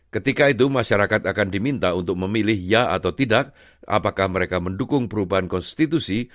ketika itu masyarakat akan diminta untuk memilih ya atau tidak apakah mereka mendukung perubahan konstitusi